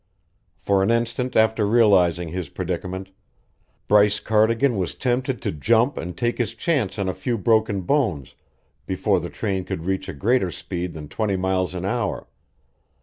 For an instant after realizing his predicament, Bryce Cardigan was tempted to jump and take his chance on a few broken bones, before the train could reach a greater speed than twenty miles an hour.